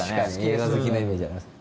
映画好きなイメージあります。